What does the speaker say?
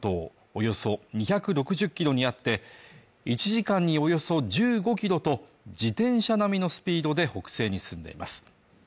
およそ２６０ｋｍにあって１時間におよそ１５キロと自転車並みのスピードで北西に進んでいます